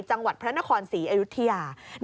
จังหวัดพระนครศรีอยุธยา